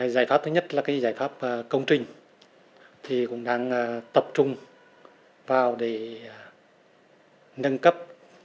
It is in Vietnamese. giải pháp thứ nhất là giải pháp công trình thì cũng đang tập trung vào để nâng cấp